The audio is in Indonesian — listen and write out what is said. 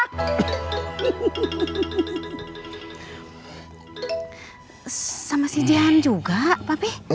ini si mami ini si jihan ini si mami ini si jihan